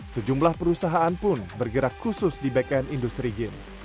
sejumlah perusahaan pun bergerak khusus di back end industri game